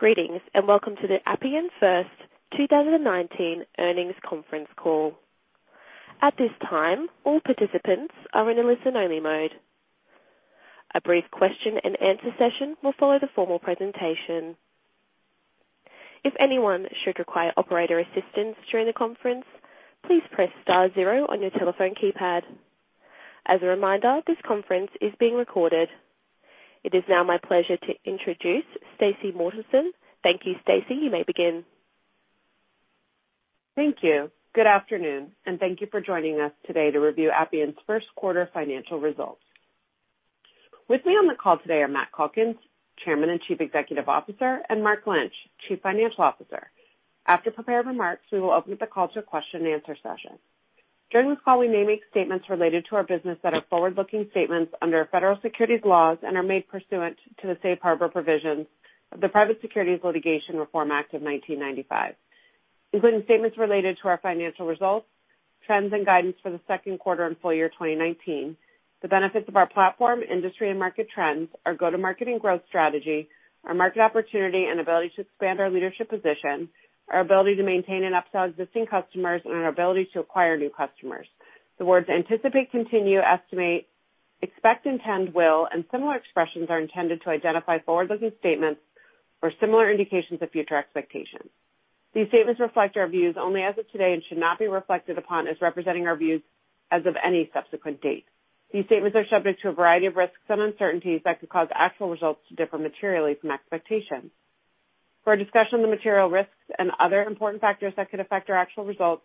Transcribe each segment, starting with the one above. Greetings, welcome to the Appian first 2019 earnings conference call. At this time, all participants are in a listen-only mode. A brief question-and-answer session will follow the formal presentation. If anyone should require operator assistance during the conference, please press star zero on your telephone keypad. As a reminder, this conference is being recorded. It is now my pleasure to introduce Stacey Mortensen. Thank you, Stacey. You may begin. Thank you. Good afternoon, thank you for joining us today to review Appian's first quarter financial results. With me on the call today are Matt Calkins, Chairman and Chief Executive Officer, and Mark Lynch, Chief Financial Officer. After prepared remarks, we will open up the call to a question-and-answer session. During this call, we may make statements related to our business that are forward-looking statements under federal securities laws and are made pursuant to the safe harbor provisions of the Private Securities Litigation Reform Act of 1995, including statements related to our financial results, trends, and guidance for the second quarter and full year 2019, the benefits of our platform, industry and market trends, our go-to-market growth strategy, our market opportunity and ability to expand our leadership position, our ability to maintain and upsell existing customers, and our ability to acquire new customers. The words anticipate, continue, estimate, expect, intend, will, similar expressions are intended to identify forward-looking statements or similar indications of future expectations. These statements reflect our views only as of today and should not be reflected upon as representing our views as of any subsequent date. These statements are subject to a variety of risks and uncertainties that could cause actual results to differ materially from expectations. For a discussion of the material risks and other important factors that could affect our actual results,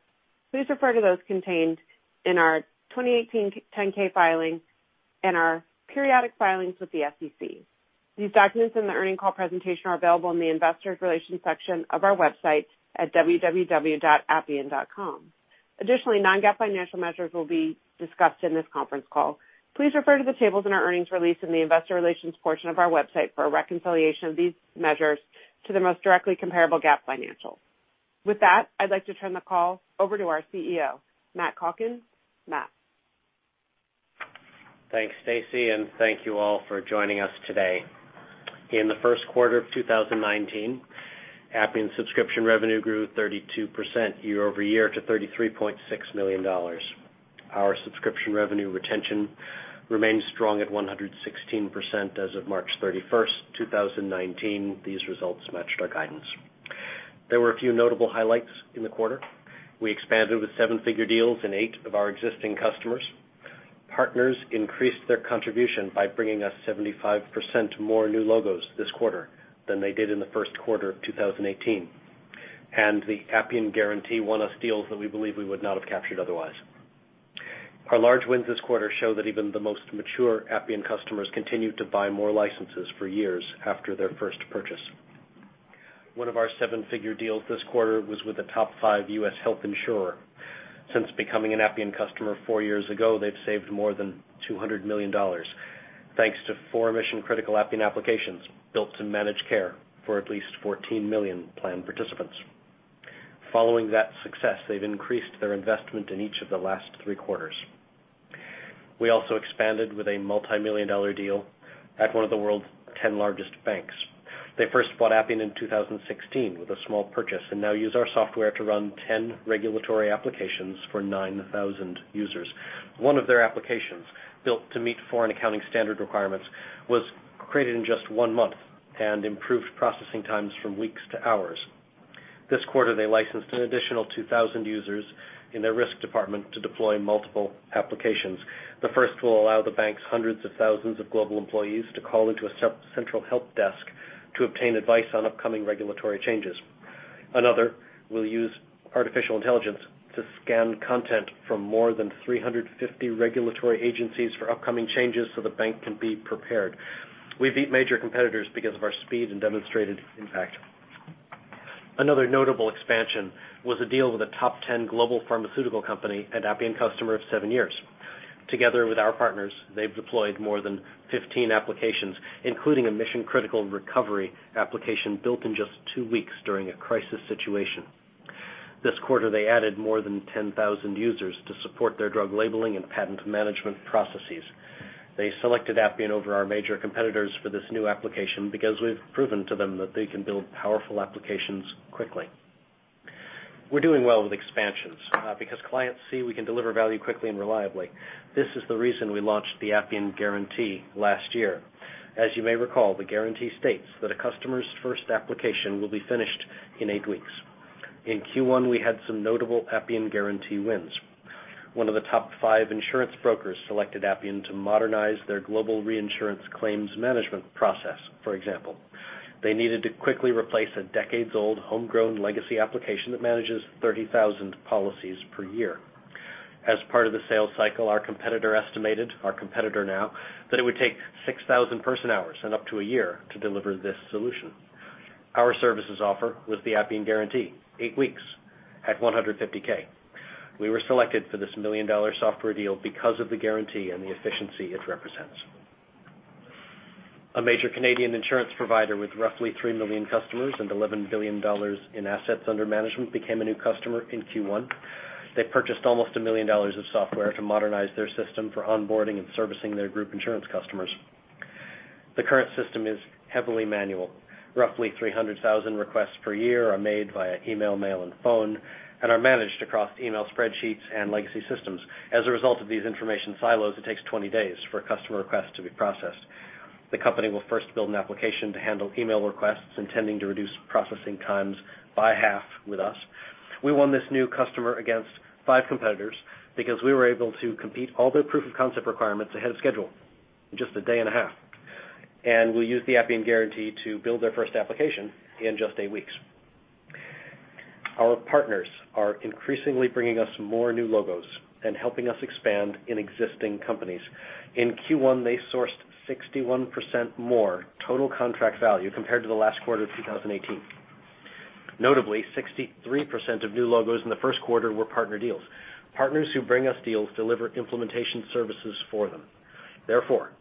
please refer to those contained in our 2018 10-K filing and our periodic filings with the SEC. These documents and the earnings call presentation are available in the investor relations section of our website at www.appian.com. Additionally, non-GAAP financial measures will be discussed in this conference call. Please refer to the tables in our earnings release in the investor relations portion of our website for a reconciliation of these measures to the most directly comparable GAAP financials. With that, I'd like to turn the call over to our CEO, Matt Calkins. Matt. Thanks, Stacey. Thank you all for joining us today. In the first quarter of 2019, Appian subscription revenue grew 32% year-over-year to $33.6 million. Our subscription revenue retention remains strong at 116% as of March 31, 2019. These results matched our guidance. There were a few notable highlights in the quarter. We expanded with seven-figure deals in eight of our existing customers. Partners increased their contribution by bringing us 75% more new logos this quarter than they did in the first quarter of 2018. The Appian Guarantee won us deals that we believe we would not have captured otherwise. Our large wins this quarter show that even the most mature Appian customers continued to buy more licenses for years after their first purchase. One of our seven-figure deals this quarter was with a top five U.S. health insurer. Since becoming an Appian customer four years ago, they've saved more than $200 million, thanks to four mission-critical Appian applications built in managed care for at least 14 million plan participants. Following that success, they've increased their investment in each of the last three quarters. We also expanded with a multimillion-dollar deal at one of the world's 10 largest banks. They first bought Appian in 2016 with a small purchase and now use our software to run 10 regulatory applications for 9,000 users. One of their applications, built to meet foreign accounting standard requirements, was created in just one month and improved processing times from weeks to hours. This quarter, they licensed an additional 2,000 users in their risk department to deploy multiple applications. The first will allow the bank's hundreds of thousands of global employees to call into a central help desk to obtain advice on upcoming regulatory changes. Another will use artificial intelligence to scan content from more than 350 regulatory agencies for upcoming changes so the bank can be prepared. We beat major competitors because of our speed and demonstrated impact. Another notable expansion was a deal with a top 10 global pharmaceutical company and Appian customer of seven years. Together with our partners, they've deployed more than 15 applications, including a mission-critical recovery application built in just two weeks during a crisis situation. This quarter, they added more than 10,000 users to support their drug labeling and patent management processes. They selected Appian over our major competitors for this new application because we've proven to them that they can build powerful applications quickly. We're doing well with expansions because clients see we can deliver value quickly and reliably. This is the reason we launched the Appian Guarantee last year. As you may recall, the Guarantee states that a customer's first application will be finished in eight weeks. In Q1, we had some notable Appian Guarantee wins. One of the top five insurance brokers selected Appian to modernize their global reinsurance claims management process, for example. They needed to quickly replace a decades-old homegrown legacy application that manages 30,000 policies per year. As part of the sales cycle, our competitor estimated, our competitor now, that it would take 6,000 person-hours and up to a year to deliver this solution. Our services offer was the Appian Guarantee, eight weeks at $150K. We were selected for this million-dollar software deal because of the Guarantee and the efficiency it represents. A major Canadian insurance provider with roughly 3 million customers and $11 billion in assets under management became a new customer in Q1. They purchased almost $1 million of software to modernize their system for onboarding and servicing their group insurance customers. The current system is heavily manual. Roughly 300,000 requests per year are made via email, mail, and phone, and are managed across email spreadsheets and legacy systems. As a result of these information silos, it takes 20 days for a customer request to be processed. The company will first build an application to handle email requests, intending to reduce processing times by half with us. We won this new customer against five competitors because we were able to complete all their proof of concept requirements ahead of schedule in just a day and a half, and we used the Appian Guarantee to build their first application in just eight weeks. Our partners are increasingly bringing us more new logos and helping us expand in existing companies. In Q1, they sourced 61% more total contract value compared to the last quarter of 2018. Notably, 63% of new logos in the first quarter were partner deals. Partners who bring us deals deliver implementation services for them. Therefore,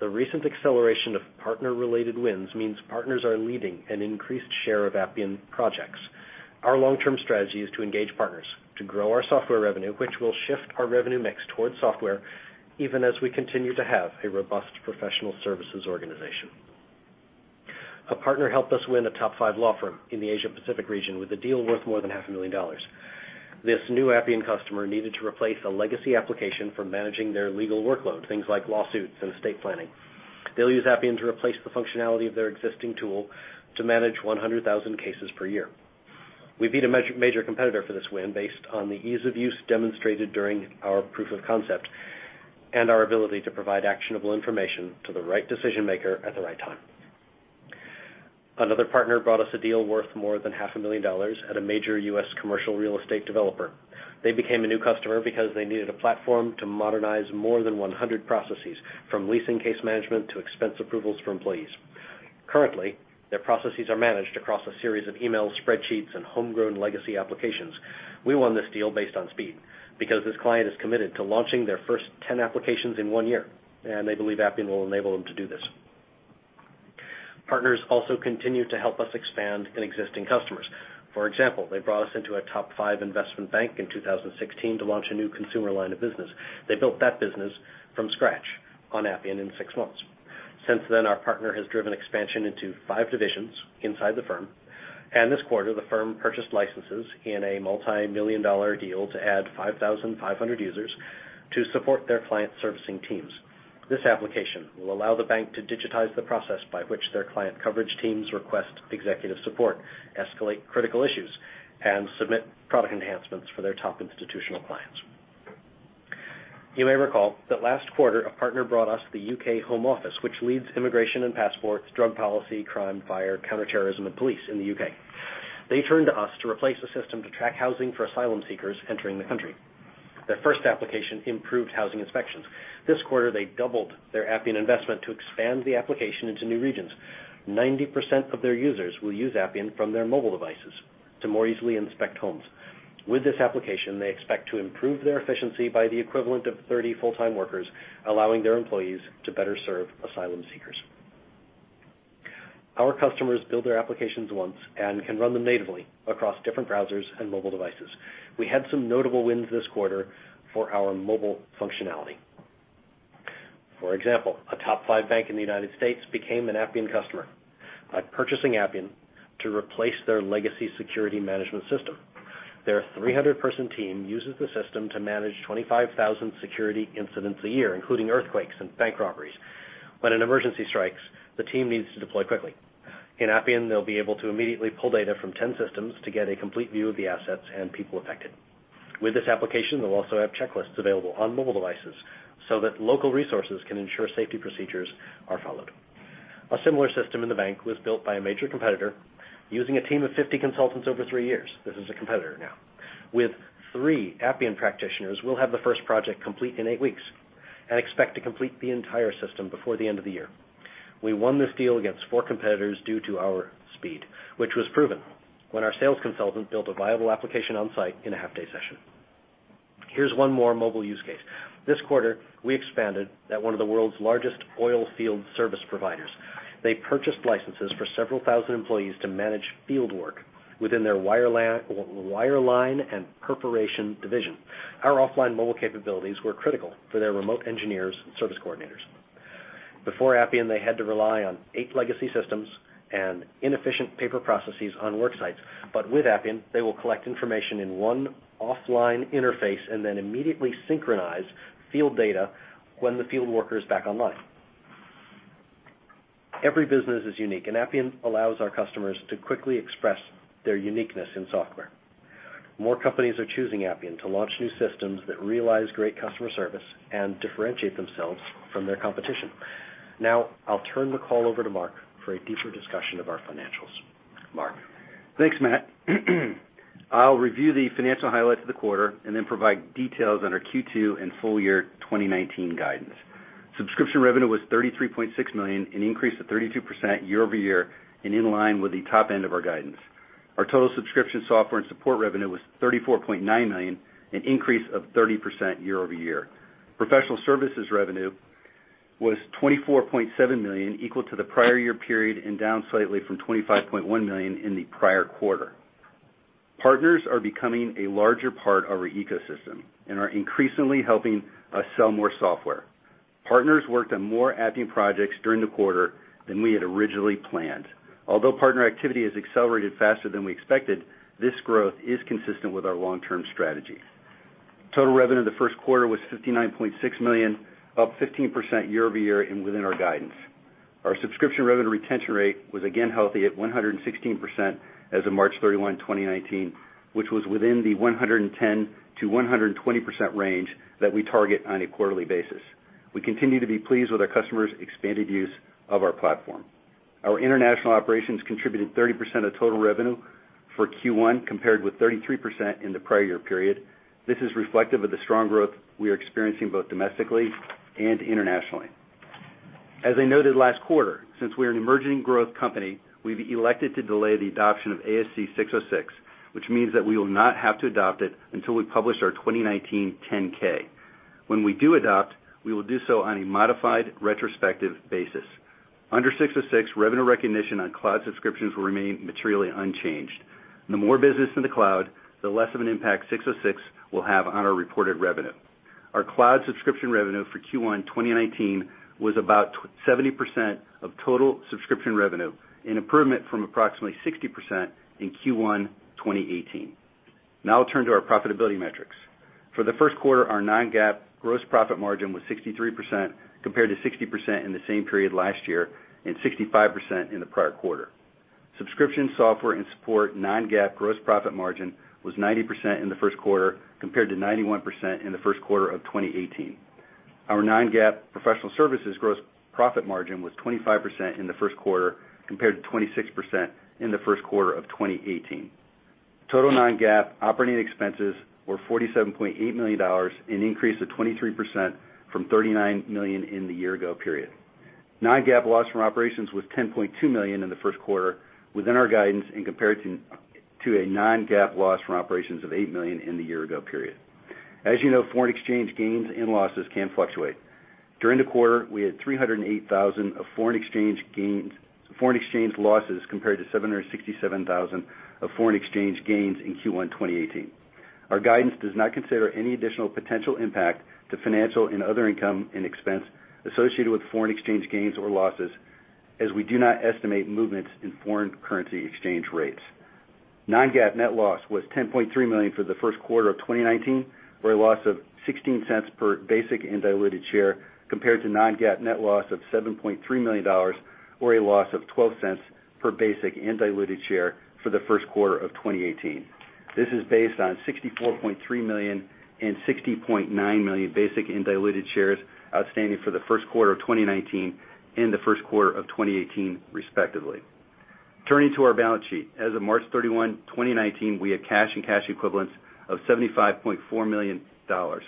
the recent acceleration of partner-related wins means partners are leading an increased share of Appian projects. Our long-term strategy is to engage partners to grow our software revenue, which will shift our revenue mix towards software, even as we continue to have a robust professional services organization. A partner helped us win a top five law firm in the Asia-Pacific region with a deal worth more than half a million dollars. This new Appian customer needed to replace a legacy application for managing their legal workload, things like lawsuits and estate planning. They'll use Appian to replace the functionality of their existing tool to manage 100,000 cases per year. We beat a major competitor for this win based on the ease of use demonstrated during our proof of concept and our ability to provide actionable information to the right decision-maker at the right time. Another partner brought us a deal worth more than half a million dollars at a major U.S. commercial real estate developer. They became a new customer because they needed a platform to modernize more than 100 processes, from leasing case management to expense approvals for employees. Currently, their processes are managed across a series of email spreadsheets and homegrown legacy applications. We won this deal based on speed because this client is committed to launching their first 10 applications in one year, and they believe Appian will enable them to do this. Partners also continue to help us expand in existing customers. For example, they brought us into a top five investment bank in 2016 to launch a new consumer line of business. They built that business from scratch on Appian in six months. Since then, our partner has driven expansion into five divisions inside the firm, and this quarter, the firm purchased licenses in a multi-million dollar deal to add 5,500 users to support their client servicing teams. This application will allow the bank to digitize the process by which their client coverage teams request executive support, escalate critical issues, and submit product enhancements for their top institutional clients. You may recall that last quarter, a partner brought us the U.K. Home Office, which leads immigration and passports, drug policy, crime, fire, counter-terrorism, and police in the U.K. They turned to us to replace a system to track housing for asylum seekers entering the country. Their first application improved housing inspections. This quarter, they doubled their Appian investment to expand the application into new regions. 90% of their users will use Appian from their mobile devices to more easily inspect homes. With this application, they expect to improve their efficiency by the equivalent of 30 full-time workers, allowing their employees to better serve asylum seekers. Our customers build their applications once and can run them natively across different browsers and mobile devices. We had some notable wins this quarter for our mobile functionality. For example, a top five bank in the U.S. became an Appian customer by purchasing Appian to replace their legacy security management system. Their 300-person team uses the system to manage 25,000 security incidents a year, including earthquakes and bank robberies. When an emergency strikes, the team needs to deploy quickly. In Appian, they'll be able to immediately pull data from 10 systems to get a complete view of the assets and people affected. With this application, they'll also have checklists available on mobile devices so that local resources can ensure safety procedures are followed. A similar system in the bank was built by a major competitor using a team of 50 consultants over three years. This is a competitor now. With three Appian practitioners, we'll have the first project complete in eight weeks and expect to complete the entire system before the end of the year. We won this deal against four competitors due to our speed, which was proven when our sales consultant built a viable application on-site in a half-day session. Here's one more mobile use case. This quarter, we expanded at one of the world's largest oil field service providers. They purchased licenses for several thousand employees to manage field work within their wireline and perforation division. Our offline mobile capabilities were critical for their remote engineers and service coordinators. Before Appian, they had to rely on eight legacy systems and inefficient paper processes on work sites. With Appian, they will collect information in one offline interface and then immediately synchronize field data when the field worker is back online. Every business is unique, Appian allows our customers to quickly express their uniqueness in software. More companies are choosing Appian to launch new systems that realize great customer service and differentiate themselves from their competition. I'll turn the call over to Mark for a deeper discussion of our financials. Mark? Thanks, Matt. I'll review the financial highlights of the quarter and then provide details on our Q2 and full year 2019 guidance. Subscription revenue was $33.6 million, an increase of 32% year-over-year and in line with the top end of our guidance. Our total subscription software and support revenue was $34.9 million, an increase of 30% year-over-year. Professional services revenue was $24.7 million, equal to the prior year period and down slightly from $25.1 million in the prior quarter. Partners are becoming a larger part of our ecosystem and are increasingly helping us sell more software. Partners worked on more Appian projects during the quarter than we had originally planned. Although partner activity has accelerated faster than we expected, this growth is consistent with our long-term strategy. Total revenue in the first quarter was $59.6 million, up 15% year-over-year and within our guidance. Our subscription revenue retention rate was again healthy at 116% as of March 31st, 2019, which was within the 110%-120% range that we target on a quarterly basis. We continue to be pleased with our customers' expanded use of our platform. Our international operations contributed 30% of total revenue for Q1, compared with 33% in the prior year period. This is reflective of the strong growth we are experiencing both domestically and internationally. As I noted last quarter, since we are an emerging growth company, we've elected to delay the adoption of ASC 606, which means that we will not have to adopt it until we publish our 2019 10-K. When we do adopt, we will do so on a modified retrospective basis. Under 606, revenue recognition on cloud subscriptions will remain materially unchanged. The more business in the cloud, the less of an impact 606 will have on our reported revenue. Our cloud subscription revenue for Q1 2019 was about 70% of total subscription revenue, an improvement from approximately 60% in Q1 2018. Now I'll turn to our profitability metrics. For the first quarter, our non-GAAP gross profit margin was 63%, compared to 60% in the same period last year and 65% in the prior quarter. Subscription, software, and support non-GAAP gross profit margin was 90% in the first quarter, compared to 91% in the first quarter of 2018. Our non-GAAP professional services gross profit margin was 25% in the first quarter, compared to 26% in the first quarter of 2018. Total non-GAAP operating expenses were $47.8 million, an increase of 23% from $39 million in the year ago period. Non-GAAP loss from operations was $10.2 million in the first quarter, within our guidance and compared to a non-GAAP loss from operations of $8 million in the year ago period. As you know, foreign exchange gains and losses can fluctuate. During the quarter, we had $308,000 of foreign exchange losses, compared to $767,000 of foreign exchange gains in Q1 2018. Our guidance does not consider any additional potential impact to financial and other income and expense associated with foreign exchange gains or losses, as we do not estimate movements in foreign currency exchange rates. Non-GAAP net loss was $10.3 million for the first quarter of 2019, or a loss of $0.16 per basic and diluted share, compared to non-GAAP net loss of $7.3 million, or a loss of $0.12 per basic and diluted share for the first quarter of 2018. This is based on $64.3 million and $60.9 million basic and diluted shares outstanding for the first quarter of 2019 and the first quarter of 2018, respectively. Turning to our balance sheet. As of March 31st, 2019, we had cash and cash equivalents of $75.4 million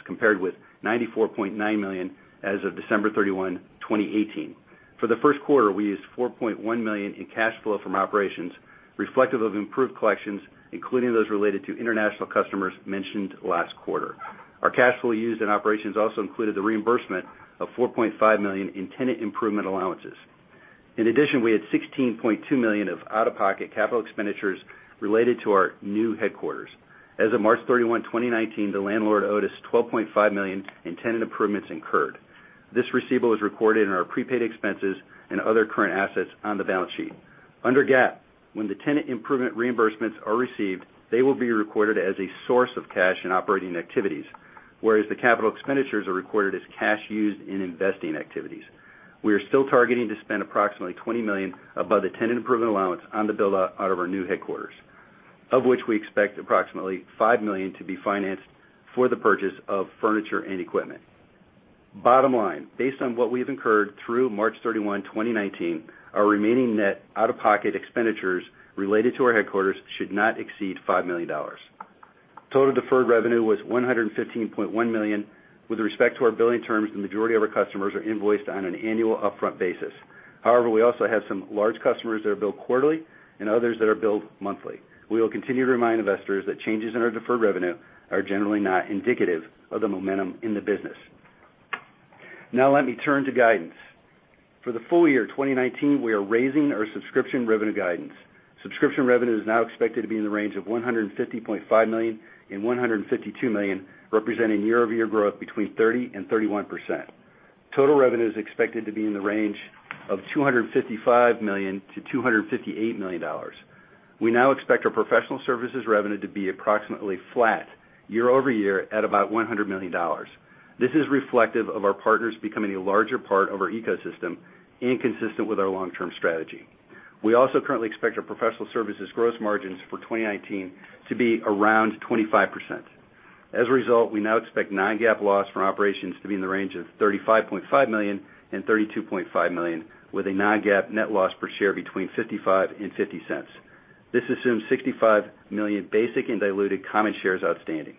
compared with $94.9 million as of December 31st, 2018. For the first quarter, we used $4.1 million in cash flow from operations, reflective of improved collections, including those related to international customers mentioned last quarter. Our cash flow used in operations also included the reimbursement of $4.5 million in tenant improvement allowances. In addition, we had $16.2 million of out-of-pocket capital expenditures related to our new headquarters. As of March 31st, 2019, the landlord owed us $12.5 million in tenant improvements incurred. This receivable is recorded in our prepaid expenses and other current assets on the balance sheet. Under GAAP, when the tenant improvement reimbursements are received, they will be recorded as a source of cash in operating activities, whereas the capital expenditures are recorded as cash used in investing activities. We are still targeting to spend approximately $20 million above the tenant improvement allowance on the build-out of our new headquarters, of which we expect approximately $5 million to be financed for the purchase of furniture and equipment. Bottom line, based on what we've incurred through March 31st, 2019, our remaining net out-of-pocket expenditures related to our headquarters should not exceed $5 million. Total deferred revenue was $115.1 million. With respect to our billing terms, the majority of our customers are invoiced on an annual upfront basis. However, we also have some large customers that are billed quarterly and others that are billed monthly. We will continue to remind investors that changes in our deferred revenue are generally not indicative of the momentum in the business. Let me turn to guidance. For the full year 2019, we are raising our subscription revenue guidance. Subscription revenue is now expected to be in the range of $150.5 million and $152 million, representing year-over-year growth between 30% and 31%. Total revenue is expected to be in the range of $255 million-$258 million. We now expect our professional services revenue to be approximately flat year-over-year at about $100 million. This is reflective of our partners becoming a larger part of our ecosystem and consistent with our long-term strategy. We also currently expect our professional services gross margins for 2019 to be around 25%. We now expect non-GAAP loss from operations to be in the range of $35.5 million and $32.5 million, with a non-GAAP net loss per share between $0.55 and $0.50. This assumes 65 million basic and diluted common shares outstanding.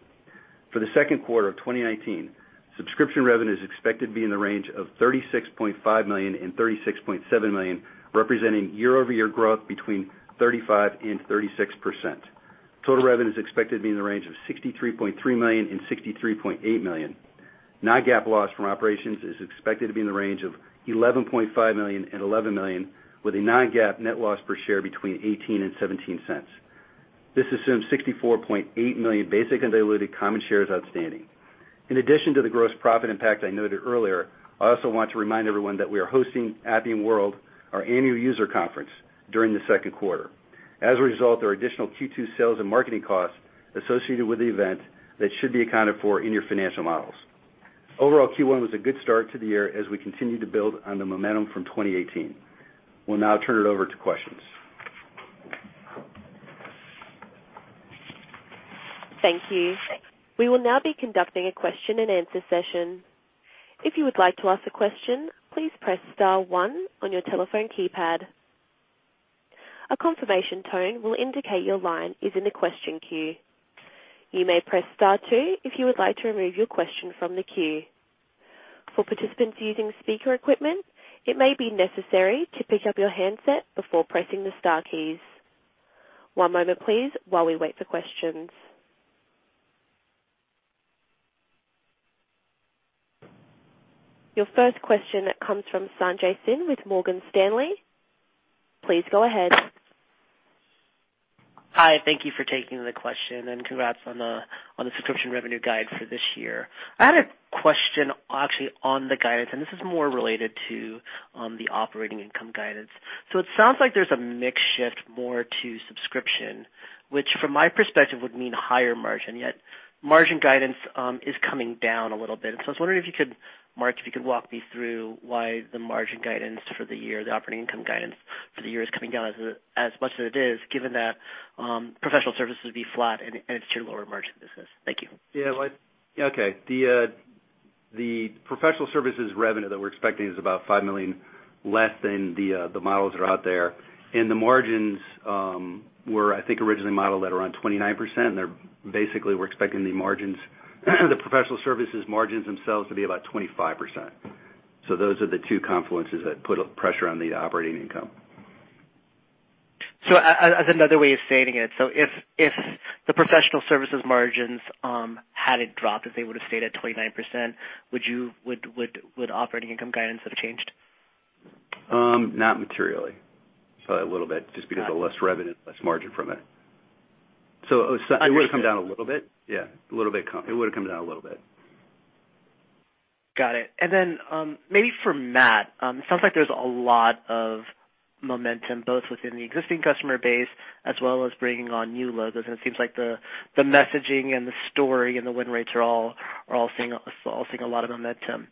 For the second quarter of 2019, subscription revenue is expected to be in the range of $36.5 million and $36.7 million, representing year-over-year growth between 35% and 36%. Total revenue is expected to be in the range of $63.3 million and $63.8 million. Non-GAAP loss from operations is expected to be in the range of $11.5 million and $11 million, with a non-GAAP net loss per share between $0.18 and $0.17. This assumes 64.8 million basic and diluted common shares outstanding. In addition to the gross profit impact I noted earlier, I also want to remind everyone that we are hosting Appian World, our annual user conference, during the second quarter. As a result, there are additional Q2 sales and marketing costs associated with the event that should be accounted for in your financial models. Overall, Q1 was a good start to the year as we continue to build on the momentum from 2018. We'll now turn it over to questions. Thank you. We will now be conducting a question and answer session. If you would like to ask a question, please press star one on your telephone keypad. A confirmation tone will indicate your line is in the question queue. You may press star two if you would like to remove your question from the queue. For participants using speaker equipment, it may be necessary to pick up your handset before pressing the star keys. One moment, please, while we wait for questions. Your first question comes from Sanjit Singh with Morgan Stanley. Please go ahead. Hi, thank you for taking the question. Congrats on the subscription revenue guide for this year. I had a question actually on the guidance, and this is more related to the operating income guidance. It sounds like there's a mix shift more to subscription, which from my perspective, would mean higher margin, yet margin guidance is coming down a little bit. I was wondering if you could, Mark, if you could walk me through why the margin guidance for the year, the operating income guidance for the year is coming down as much as it is, given that professional services will be flat and it's your lower-margin business. Thank you. Yeah. Okay. The professional services revenue that we're expecting is about $5 million, less than the models that are out there. The margins were, I think, originally modeled at around 29%, basically, we're expecting the margins, the professional services margins themselves to be about 25%. Those are the two confluences that put pressure on the operating income. As another way of stating it, if the professional services margins hadn't dropped, if they would've stayed at 29%, would operating income guidance have changed? Not materially. Probably a little bit, just because of less revenue, less margin from it. It would've come down a little bit. Yeah, a little bit. It would've come down a little bit. Got it. Maybe for Matt, it sounds like there's a lot of momentum both within the existing customer base as well as bringing on new logos, and it seems like the messaging and the story and the win rates are all seeing a lot of momentum.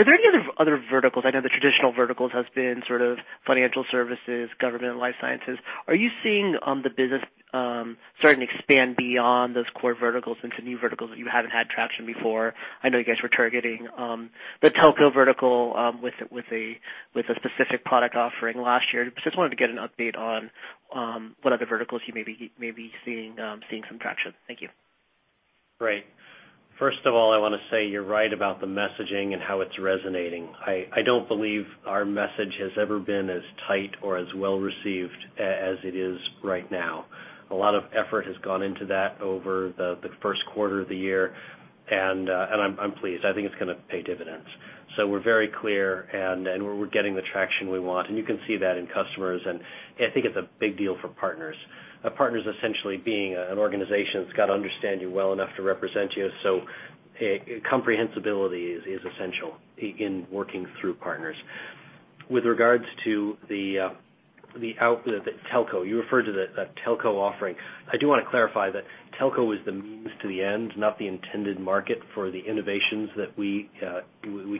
Are there any other verticals? I know the traditional verticals has been sort of financial services, government, and life sciences. Are you seeing the business starting to expand beyond those core verticals into new verticals that you haven't had traction before? I know you guys were targeting the telco vertical with a specific product offering last year. Just wanted to get an update on what other verticals you may be seeing some traction. Thank you. Great. First of all, I want to say you're right about the messaging and how it's resonating. I don't believe our message has ever been as tight or as well-received as it is right now. A lot of effort has gone into that over the first quarter of the year, and I'm pleased. I think it's going to pay dividends. We're very clear, and we're getting the traction we want, and you can see that in customers, and I think it's a big deal for partners. Partners essentially being an organization that's got to understand you well enough to represent you, so comprehensibility is essential in working through partners. With regards to the telco, you referred to the telco offering. I do want to clarify that telco is the means to the end, not the intended market for the innovations that we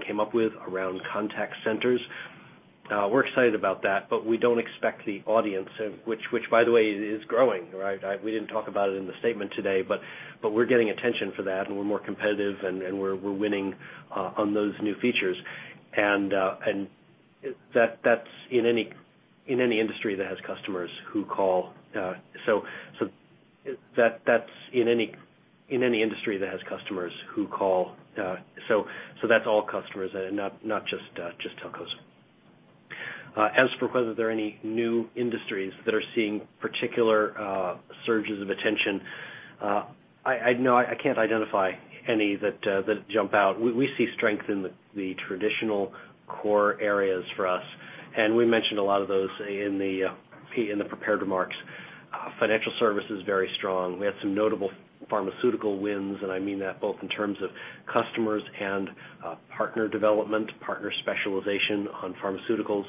came up with around contact centers. We're excited about that, but we don't expect the audience, which by the way is growing, right? We didn't talk about it in the statement today, but we're getting attention for that, and we're more competitive, and we're winning on those new features. That's in any industry that has customers who call. That's all customers and not just telcos. As for whether there are any new industries that are seeing particular surges of attention, no, I can't identify any that jump out. We see strength in the traditional core areas for us, and we mentioned a lot of those in the prepared remarks. Financial services, very strong. We had some notable pharmaceutical wins, and I mean that both in terms of customers and partner development, partner specialization on pharmaceuticals.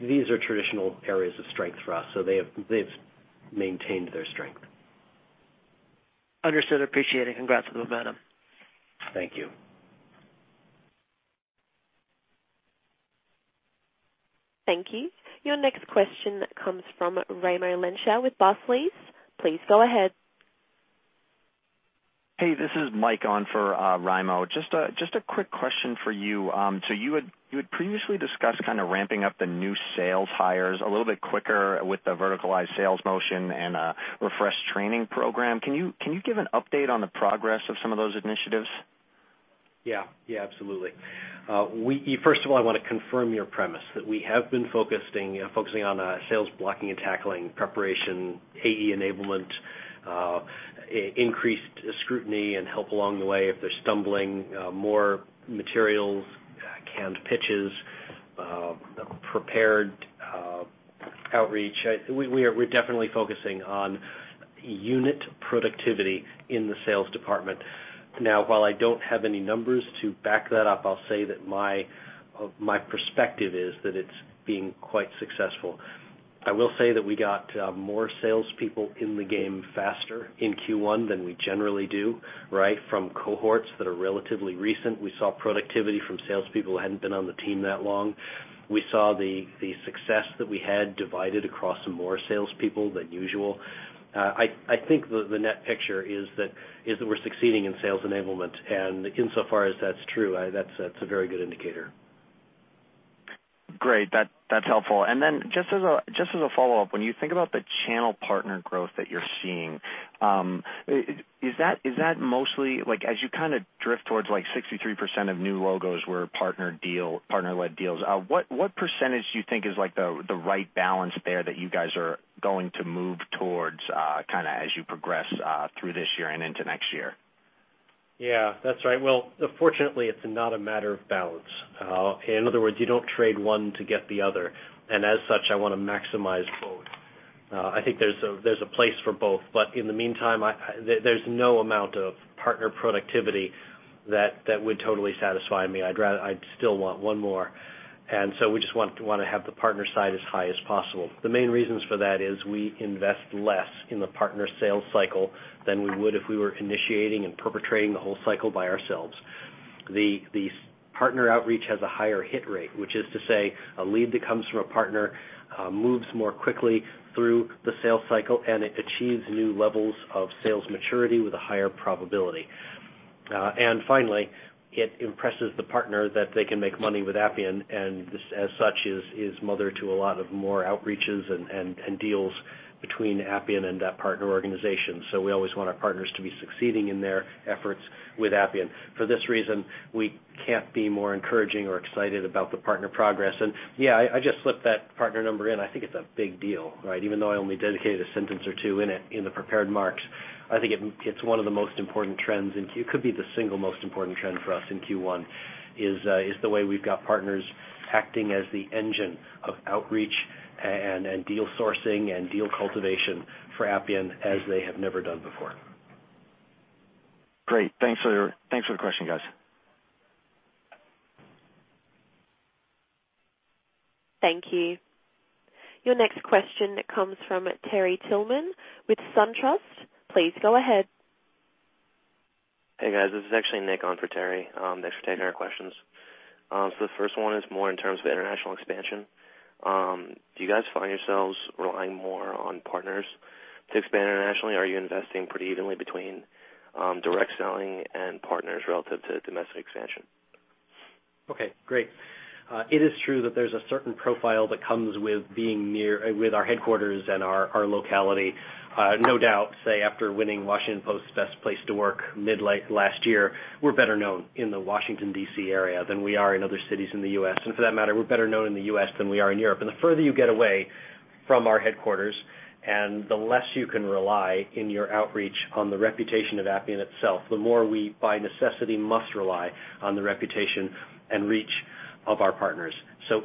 These are traditional areas of strength for us, so they've maintained their strength. Understood. Appreciate it. Congrats on the momentum. Thank you. Thank you. Your next question comes from Raimo Lenschow with Barclays. Please go ahead. Hey, this is Mike on for Raimo. Just a quick question for you. You had previously discussed kind of ramping up the new sales hires a little bit quicker with the verticalized sales motion and a refreshed training program. Can you give an update on the progress of some of those initiatives? Yeah, absolutely. First of all, I want to confirm your premise, that we have been focusing on sales blocking and tackling preparation, AE enablement, increased scrutiny, and help along the way if they're stumbling, more materials, canned pitches, prepared outreach. We're definitely focusing on unit productivity in the sales department. While I don't have any numbers to back that up, I'll say that my perspective is that it's being quite successful. I will say that we got more salespeople in the game faster in Q1 than we generally do. From cohorts that are relatively recent, we saw productivity from salespeople who hadn't been on the team that long. We saw the success that we had divided across more salespeople than usual. I think the net picture is that we're succeeding in sales enablement, and insofar as that's true, that's a very good indicator. Great. That's helpful. Just as a follow-up, when you think about the channel partner growth that you're seeing, as you kind of drift towards 63% of new logos were partner-led deals, what percentage do you think is the right balance there that you guys are going to move towards as you progress through this year and into next year? Yeah, that's right. Fortunately, it's not a matter of balance. In other words, you don't trade one to get the other. As such, I want to maximize both. I think there's a place for both, but in the meantime, there's no amount of partner productivity that would totally satisfy me. I'd still want one more. So we just want to have the partner side as high as possible. The main reasons for that is we invest less in the partner sales cycle than we would if we were initiating and perpetrating the whole cycle by ourselves. The partner outreach has a higher hit rate, which is to say, a lead that comes from a partner moves more quickly through the sales cycle, and it achieves new levels of sales maturity with a higher probability. It impresses the partner that they can make money with Appian, and as such, is mother to a lot of more outreaches and deals between Appian and that partner organization. We always want our partners to be succeeding in their efforts with Appian. For this reason, we can't be more encouraging or excited about the partner progress. Yeah, I just slipped that partner number in. I think it's a big deal. Even though I only dedicated a sentence or two in it in the prepared marks, I think it's one of the most important trends, and it could be the single most important trend for us in Q1, is the way we've got partners acting as the engine of outreach and deal sourcing and deal cultivation for Appian as they have never done before. Great. Thanks for the question, guys. Thank you. Your next question comes from Terry Tillman with SunTrust. Please go ahead. Hey, guys. This is actually Nick on for Terry. Thanks for taking our questions. The first one is more in terms of international expansion. Do you guys find yourselves relying more on partners to expand internationally, or are you investing pretty evenly between direct selling and partners relative to domestic expansion? Okay, great. It is true that there's a certain profile that comes with our headquarters and our locality. No doubt, say, after winning Washington Post's Best Place to Work mid last year, we're better known in the Washington, D.C., area than we are in other cities in the U.S. For that matter, we're better known in the U.S. than we are in Europe. The further you get away from our headquarters and the less you can rely in your outreach on the reputation of Appian itself, the more we, by necessity, must rely on the reputation and reach of our partners.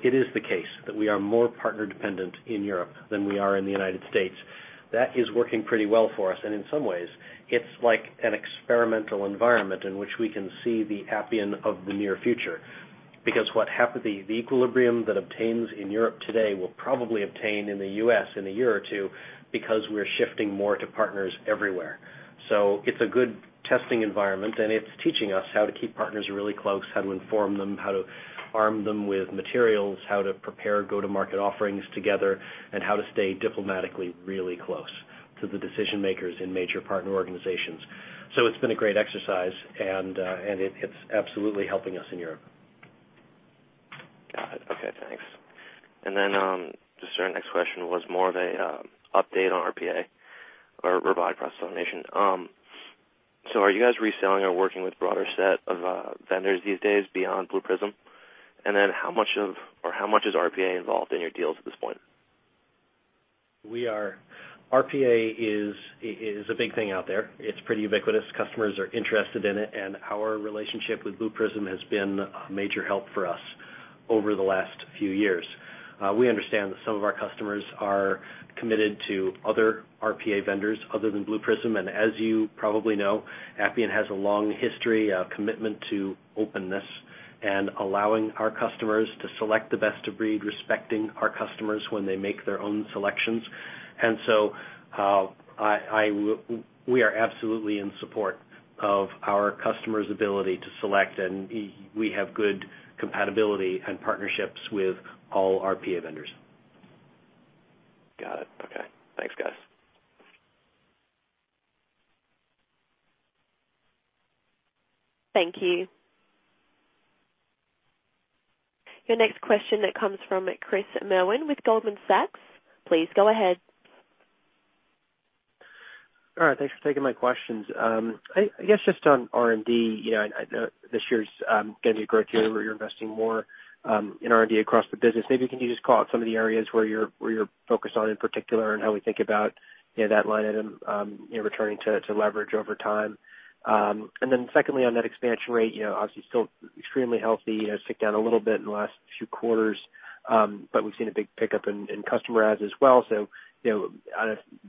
It is the case that we are more partner-dependent in Europe than we are in the United States. That is working pretty well for us, and in some ways, it's like an experimental environment in which we can see the Appian of the near future. Because the equilibrium that obtains in Europe today will probably obtain in the U.S. in a year or two because we're shifting more to partners everywhere. It's a good testing environment, and it's teaching us how to keep partners really close, how to inform them, how to arm them with materials, how to prepare go-to-market offerings together, and how to stay diplomatically really close to the decision-makers in major partner organizations. It's been a great exercise, and it's absolutely helping us in Europe. Got it. Okay, thanks. Just our next question was more of an update on RPA or robotic process automation. Are you guys reselling or working with a broader set of vendors these days beyond Blue Prism? How much is RPA involved in your deals at this point? RPA is a big thing out there. It's pretty ubiquitous. Customers are interested in it, and our relationship with Blue Prism has been a major help for us over the last few years. We understand that some of our customers are committed to other RPA vendors other than Blue Prism, and as you probably know, Appian has a long history, a commitment to openness and allowing our customers to select the best of breed, respecting our customers when they make their own selections. We are absolutely in support of our customers' ability to select, and we have good compatibility and partnerships with all RPA vendors. Got it. Okay. Thanks, guys. Thank you. Your next question comes from Chris Merwin with Goldman Sachs. Please go ahead. All right, thanks for taking my questions. I guess just on R&D, this year's going to be a growth year where you're investing more in R&D across the business. Maybe can you just call out some of the areas where you're focused on in particular, and how we think about that line item, returning to leverage over time? Secondly, on net expansion rate, obviously still extremely healthy. It's ticked down a little bit in the last few quarters, but we've seen a big pickup in customer adds as well.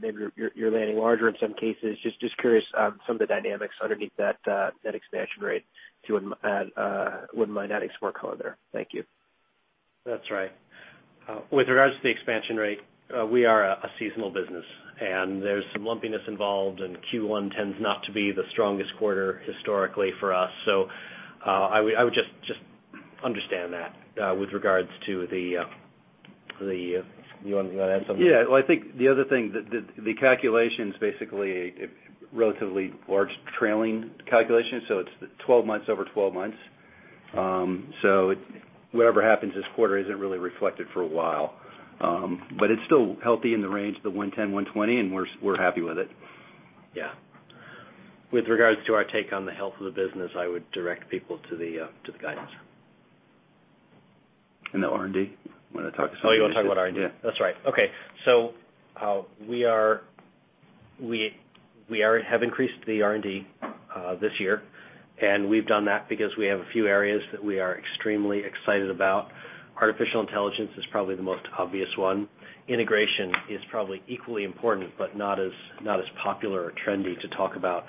Maybe you're landing larger in some cases. Just curious on some of the dynamics underneath that expansion rate if you wouldn't mind adding some more color there. Thank you. That's right. With regards to the expansion rate, we are a seasonal business, and there's some lumpiness involved, and Q1 tends not to be the strongest quarter historically for us. I would just understand that with regards to the. You want to add something? I think the other thing, the calculation's basically a relatively large trailing calculation, so it's 12 months over 12 months. Whatever happens this quarter isn't really reflected for a while. It's still healthy in the range of the 110, 120, and we're happy with it. With regards to our take on the health of the business, I would direct people to the guidance. The R&D? Want to talk some R&D? You want to talk about R&D? Yeah. That's right. Okay. We have increased the R&D this year. We've done that because we have a few areas that we are extremely excited about. Artificial intelligence is probably the most obvious one. Integration is probably equally important, but not as popular or trendy to talk about.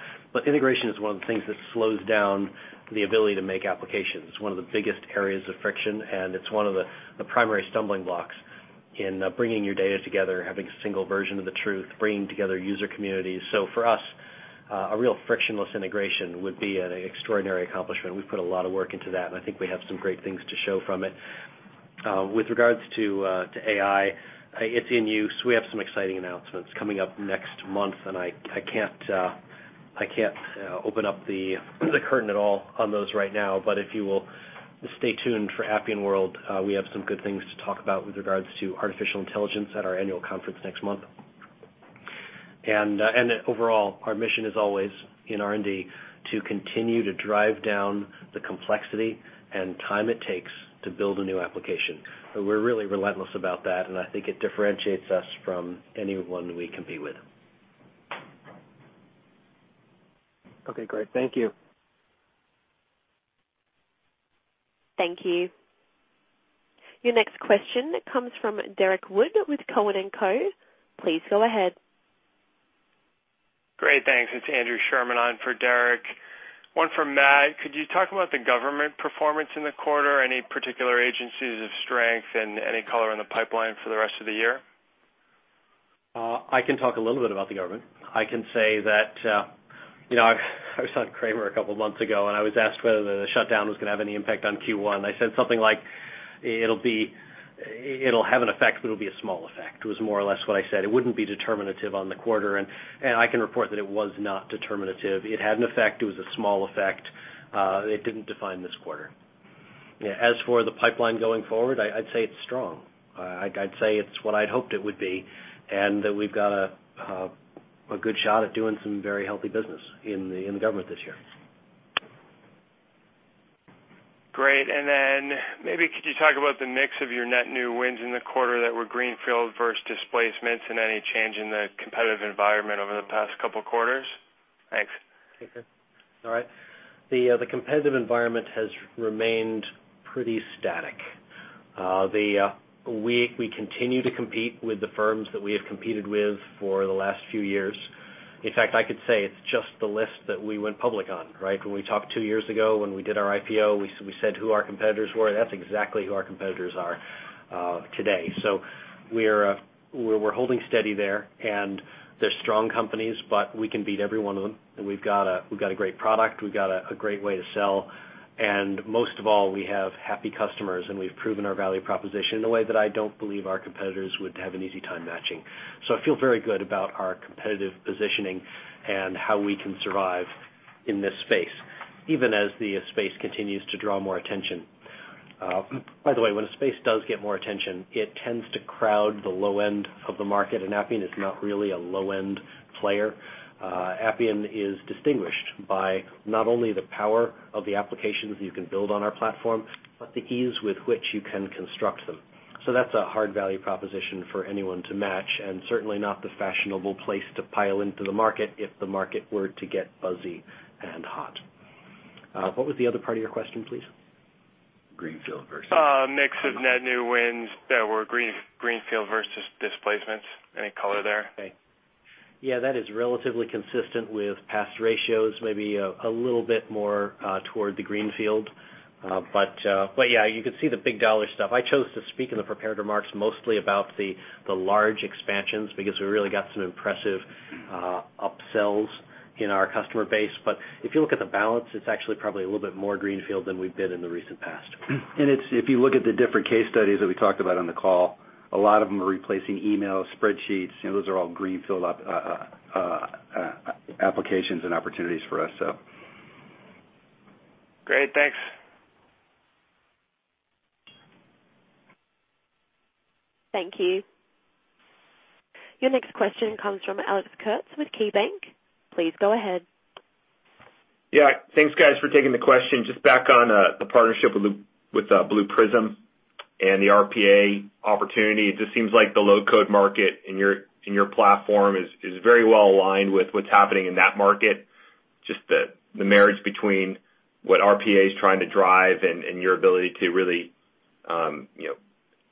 Integration is one of the things that slows down the ability to make applications. It's one of the biggest areas of friction, and it's one of the primary stumbling blocks in bringing your data together, having a single version of the truth, bringing together user communities. For us, a real frictionless integration would be an extraordinary accomplishment, and we've put a lot of work into that, and I think we have some great things to show from it. With regards to AI, it's in use. We have some exciting announcements coming up next month. I can't open up the curtain at all on those right now. If you will stay tuned for Appian World, we have some good things to talk about with regards to artificial intelligence at our annual conference next month. Overall, our mission is always, in R&D, to continue to drive down the complexity and time it takes to build a new application. We're really relentless about that, and I think it differentiates us from anyone we compete with. Okay, great. Thank you. Thank you. Your next question comes from Derrick Wood with Cowen and Co. Please go ahead. Great, thanks. It's Andrew Sherman on for Derrick. One for Matt. Could you talk about the government performance in the quarter, any particular agencies of strength, and any color in the pipeline for the rest of the year? I can talk a little bit about the government. I can say that, I was on Cramer a couple months ago, and I was asked whether the shutdown was going to have any impact on Q1. I said something like, "It'll have an effect, but it'll be a small effect," was more or less what I said. It wouldn't be determinative on the quarter. I can report that it was not determinative. It had an effect. It was a small effect. It didn't define this quarter. As for the pipeline going forward, I'd say it's strong. I'd say it's what I'd hoped it would be, and that we've got a good shot at doing some very healthy business in the government this year. Great. Maybe could you talk about the mix of your net new wins in the quarter that were greenfield versus displacements, and any change in the competitive environment over the past couple quarters? Thanks. Okay. All right. The competitive environment has remained pretty static. We continue to compete with the firms that we have competed with for the last few years. In fact, I could say it's just the list that we went public on. Right? When we talked two years ago, when we did our IPO, we said who our competitors were. That's exactly who our competitors are today. We're holding steady there, and they're strong companies, but we can beat every one of them. We've got a great product, we've got a great way to sell, and most of all, we have happy customers, and we've proven our value proposition in a way that I don't believe our competitors would have an easy time matching. I feel very good about our competitive positioning and how we can survive in this space, even as the space continues to draw more attention. By the way, when a space does get more attention, it tends to crowd the low end of the market, and Appian is not really a low-end player. Appian is distinguished by not only the power of the applications you can build on our platform, but the ease with which you can construct them. That's a hard value proposition for anyone to match, and certainly not the fashionable place to pile into the market if the market were to get buzzy and hot. What was the other part of your question, please? Greenfield versus- Mix of net new wins that were greenfield versus displacements. Any color there? That is relatively consistent with past ratios, maybe a little bit more toward the greenfield. You could see the big dollar stuff. I chose to speak in the prepared remarks mostly about the large expansions because we really got some impressive upsells in our customer base. If you look at the balance, it's actually probably a little bit more greenfield than we've been in the recent past. if you look at the different case studies that we talked about on the call, a lot of them are replacing emails, spreadsheets. Those are all greenfield applications and opportunities for us. Great. Thanks. Thank you. Your next question comes from Alex Kurtz with KeyBank. Please go ahead. Thanks, guys, for taking the question. Just back on the partnership with Blue Prism and the RPA opportunity, it just seems like the low-code market and your platform is very well aligned with what's happening in that market, just the marriage between what RPA is trying to drive and your ability to really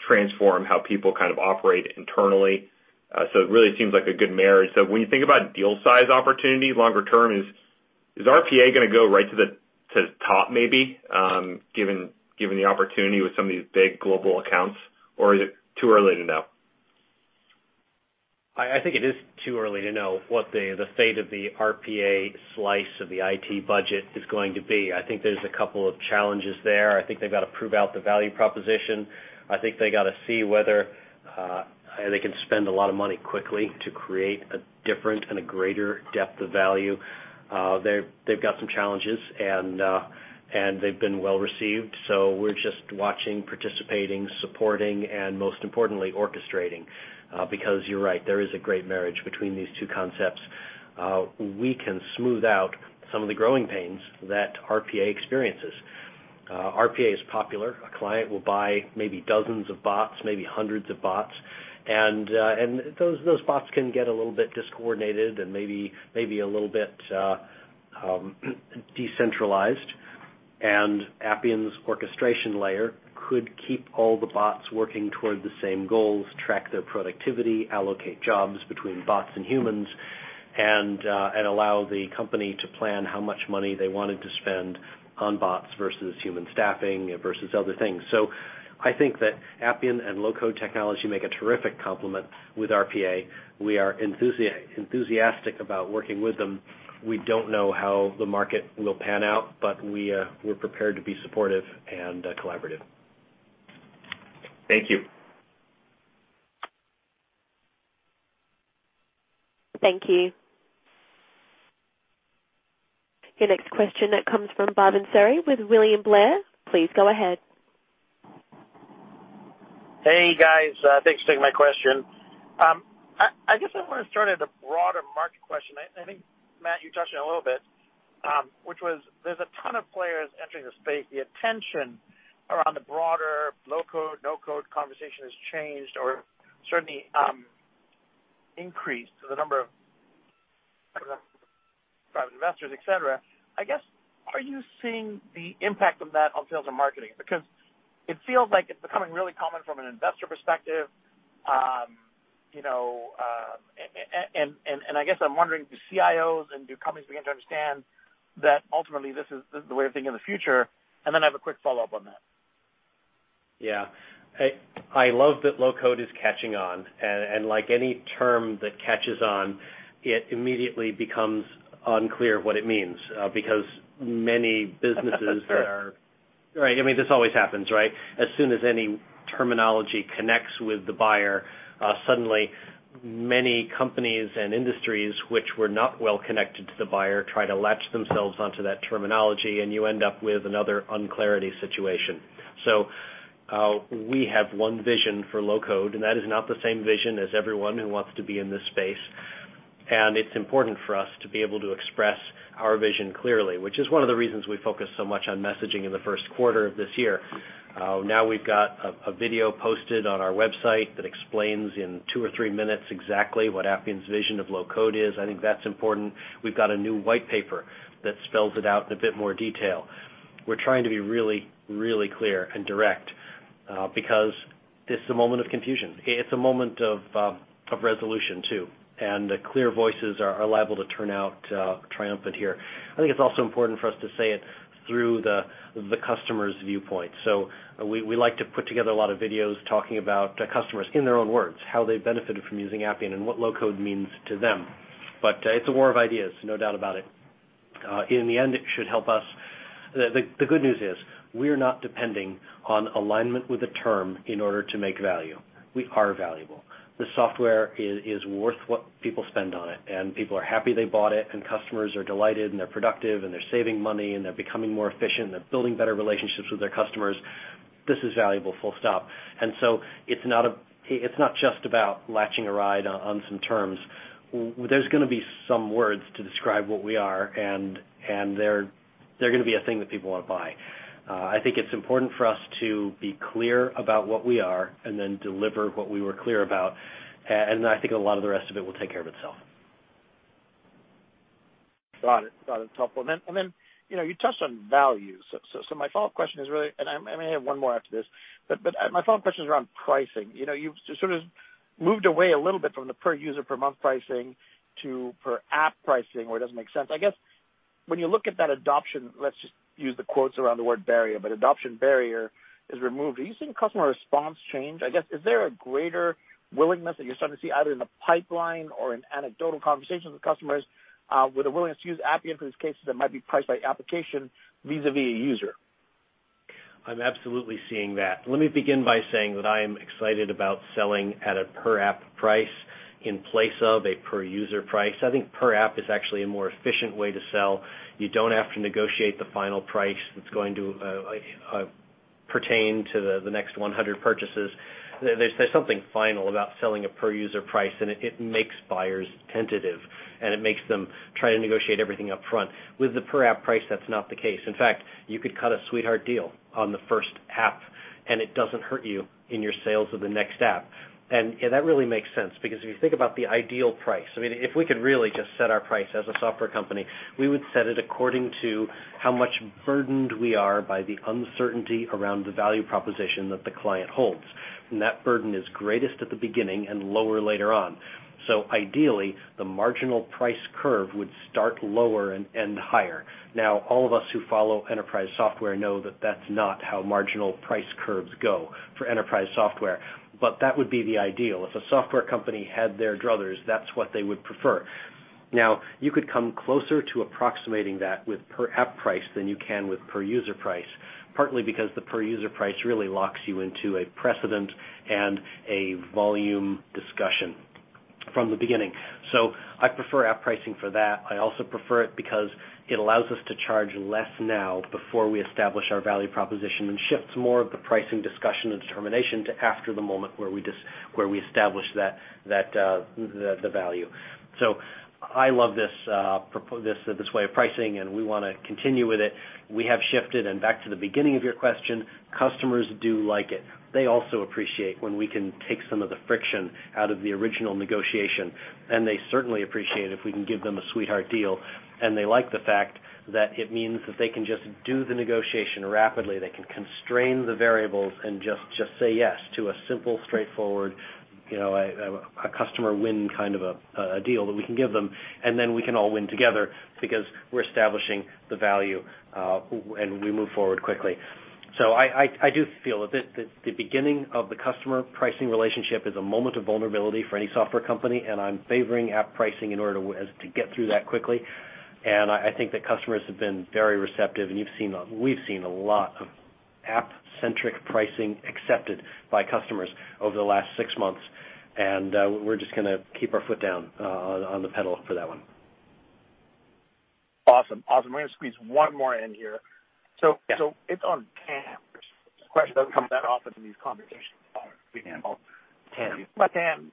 transform how people kind of operate internally. It really seems like a good marriage. When you think about deal size opportunities longer term, is RPA going to go right to the top, maybe, given the opportunity with some of these big global accounts? Or is it too early to know? I think it is too early to know what the state of the RPA slice of the IT budget is going to be. I think there's a couple of challenges there. I think they've got to prove out the value proposition. I think they got to see whether they can spend a lot of money quickly to create a different and a greater depth of value. They've got some challenges, and they've been well-received. We're just watching, participating, supporting, and most importantly, orchestrating. You're right, there is a great marriage between these two concepts. We can smooth out some of the growing pains that RPA experiences. RPA is popular. A client will buy maybe dozens of bots, maybe hundreds of bots, and those bots can get a little bit discoordinated and maybe a little bit decentralized, and Appian's orchestration layer could keep all the bots working toward the same goals, track their productivity, allocate jobs between bots and humans, and allow the company to plan how much money they wanted to spend on bots versus human staffing versus other things. I think that Appian and low-code technology make a terrific complement with RPA. We are enthusiastic about working with them. We don't know how the market will pan out, but we're prepared to be supportive and collaborative. Thank you. Thank you. Your next question comes from Bhavin Suri with William Blair. Please go ahead. Hey, guys. Thanks for taking my question. I guess I want to start at a broader market question. I think, Matt, you touched on it a little bit, which was there's a ton of players entering the space. The attention around the broader low-code/no-code conversation has changed or certainly increased the number of private investors, et cetera. I guess, are you seeing the impact of that on sales and marketing? It feels like it's becoming really common from an investor perspective, and I guess I'm wondering, do CIOs and do companies begin to understand that ultimately, this is the way of thinking in the future? I have a quick follow-up on that. Yeah. I love that low-code is catching on, like any term that catches on, it immediately becomes unclear what it means, because many businesses are. Fair. Right. I mean, this always happens, right? As soon as any terminology connects with the buyer, suddenly many companies and industries which were not well connected to the buyer try to latch themselves onto that terminology, you end up with another unclarity situation. We have one vision for low-code, that is not the same vision as everyone who wants to be in this space. It's important for us to be able to express our vision clearly, which is one of the reasons we focused so much on messaging in the first quarter of this year. Now we've got a video posted on our website that explains in two or three minutes exactly what Appian's vision of low-code is. I think that's important. We've got a new white paper that spells it out in a bit more detail. We're trying to be really, really clear and direct, because this is a moment of confusion. It's a moment of resolution, too, clear voices are liable to turn out triumphant here. I think it's also important for us to say it through the customer's viewpoint. We like to put together a lot of videos talking about customers in their own words, how they've benefited from using Appian and what low-code means to them. It's a war of ideas, no doubt about it. In the end, it should help us. The good news is we're not depending on alignment with a term in order to make value. We are valuable. The software is worth what people spend on it, and people are happy they bought it, and customers are delighted, and they're productive, and they're saving money, and they're becoming more efficient, and they're building better relationships with their customers. This is valuable, full stop. It's not just about latching a ride on some terms. There's going to be some words to describe what we are. They're going to be a thing that people want to buy. I think it's important for us to be clear about what we are and then deliver what we were clear about. I think a lot of the rest of it will take care of itself. Got it. It's helpful. You touched on value. My follow-up question is really, and I may have one more after this, but my follow-up question is around pricing. You've sort of moved away a little bit from the per user per month pricing to per app pricing where it doesn't make sense. I guess when you look at that adoption, let's just use the quotes around the word barrier, but adoption barrier is removed. Are you seeing customer response change? I guess, is there a greater willingness that you're starting to see, either in the pipeline or in anecdotal conversations with customers, with a willingness to use Appian for these cases that might be priced by application vis-à-vis a user? I'm absolutely seeing that. Let me begin by saying that I am excited about selling at a per app price in place of a per-user price. I think per app is actually a more efficient way to sell. You don't have to negotiate the final price that's going to pertain to the next 100 purchases. There's something final about selling a per-user price. It makes buyers tentative. It makes them try to negotiate everything up front. With the per-app price, that's not the case. In fact, you could cut a sweetheart deal on the first app. It doesn't hurt you in your sales of the next app. That really makes sense, because if you think about the ideal price, if we could really just set our price as a software company, we would set it according to how much burdened we are by the uncertainty around the value proposition that the client holds. That burden is greatest at the beginning and lower later on. Ideally, the marginal price curve would start lower and end higher. All of us who follow enterprise software know that that's not how marginal price curves go for enterprise software. That would be the ideal. If a software company had their druthers, that's what they would prefer. You could come closer to approximating that with per-app price than you can with per-user price, partly because the per-user price really locks you into a precedent and a volume discussion from the beginning. I prefer app pricing for that. I also prefer it because it allows us to charge less now before we establish our value proposition and shifts more of the pricing discussion and determination to after the moment where we establish the value. I love this way of pricing, and we want to continue with it. We have shifted, back to the beginning of your question, customers do like it. They also appreciate when we can take some of the friction out of the original negotiation, and they certainly appreciate if we can give them a sweetheart deal. They like the fact that it means that they can just do the negotiation rapidly. They can constrain the variables and just say yes to a simple, straightforward, a customer win kind of a deal that we can give them, then we can all win together because we're establishing the value, and we move forward quickly. I do feel a bit that the beginning of the customer pricing relationship is a moment of vulnerability for any software company, and I'm favoring app pricing in order to get through that quickly. I think that customers have been very receptive, and we've seen a lot of app-centric pricing accepted by customers over the last six months. We're just going to keep our foot down on the pedal for that one. Awesome. We're going to squeeze one more in here. Yeah. It's on TAM. This question doesn't come up that often in these conversations. TAM.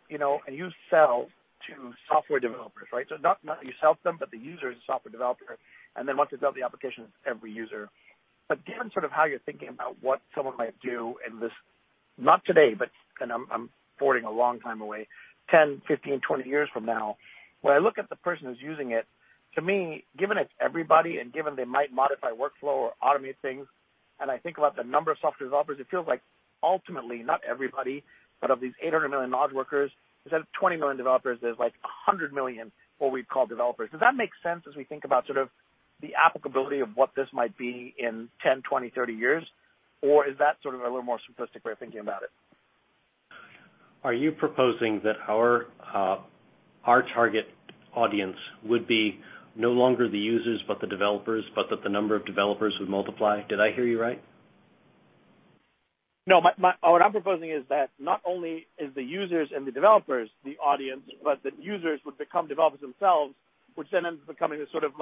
You sell to software developers, right? So not you sell to them, but the user is a software developer, and then once it's built the application, it's every user. Given sort of how you're thinking about what someone might do in this, not today, but, and I'm forwarding a long time away, 10, 15, 20 years from now. When I look at the person who's using it, to me, given it's everybody and given they might modify workflow or automate things, and I think about the number of software developers, it feels like ultimately, not everybody, but of these 800 million knowledge workers, instead of 20 million developers, there's like 100 million what we'd call developers. Does that make sense as we think about sort of the applicability of what this might be in 10, 20, 30 years? Is that sort of a little more simplistic way of thinking about it? Are you proposing that our target audience would be no longer the users, but the developers, but that the number of developers would multiply? Did I hear you right? No. What I'm proposing is that not only is the users and the developers the audience, but that users would become developers themselves, which then ends up becoming this sort of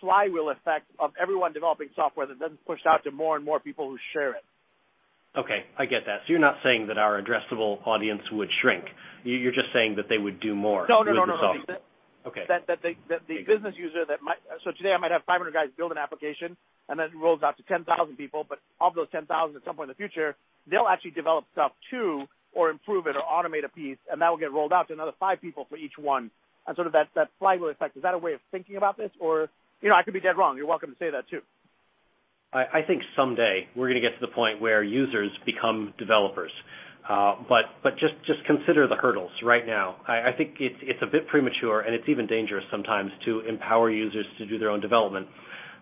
flywheel effect of everyone developing software that then is pushed out to more and more people who share it. Okay. I get that. You're not saying that our addressable audience would shrink. You're just saying that they would do more with the software. No, no. Okay. Today I might have 500 guys build an application, and then it rolls out to 10,000 people. Of those 10,000, at some point in the future, they'll actually develop stuff too, or improve it or automate a piece, and that will get rolled out to another five people for each one, and sort of that flywheel effect. Is that a way of thinking about this? I could be dead wrong. You're welcome to say that too. I think someday we're going to get to the point where users become developers. Just consider the hurdles right now. I think it's a bit premature, and it's even dangerous sometimes to empower users to do their own development.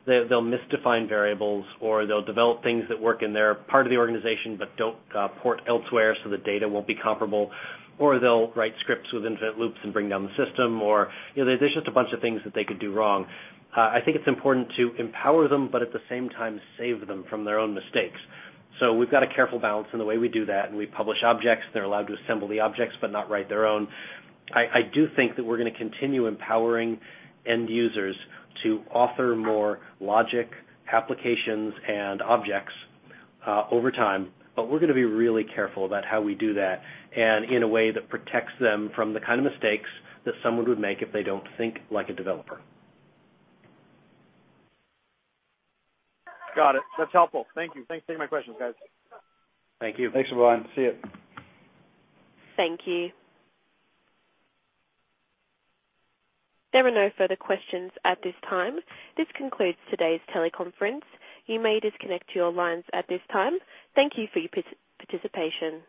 They'll misdefine variables, or they'll develop things that work in their part of the organization but don't port elsewhere, so the data won't be comparable. They'll write scripts with infinite loops and bring down the system, or there's just a bunch of things that they could do wrong. I think it's important to empower them, but at the same time, save them from their own mistakes. We've got a careful balance in the way we do that, and we publish objects. They're allowed to assemble the objects but not write their own. I do think that we're going to continue empowering end users to author more logic applications and objects over time. We're going to be really careful about how we do that and in a way that protects them from the kind of mistakes that someone would make if they don't think like a developer. Got it. That's helpful. Thank you. Thanks for taking my questions, guys. Thank you. Thanks, everyone. See you. Thank you. There are no further questions at this time. This concludes today's teleconference. You may disconnect your lines at this time. Thank you for your participation.